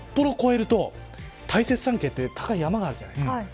札幌を越えると大雪山系という高い山があるじゃないですか。